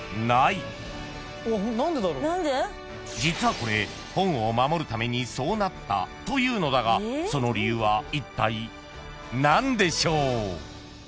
［実はこれ本を守るためにそうなったというのだがその理由はいったい何でしょう？］